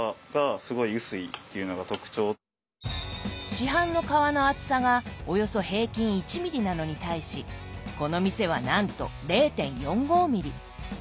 市販の皮の厚さがおよそ平均１ｍｍなのに対しこの店はなんと０．４５ｍｍ。